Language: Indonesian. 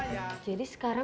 lagi lu terus pergi aja